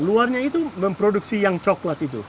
luarnya itu memproduksi yang coklat itu